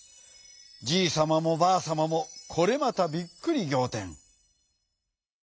じいさまもばあさまもこれまたびっくりぎょうてん。